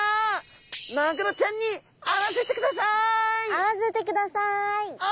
会わせてください！